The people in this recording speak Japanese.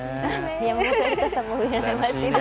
山本恵里伽さんもうらやましいです。